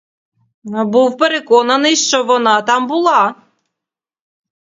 Був переконаний, що вона там була.